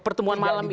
pertemuan malam ini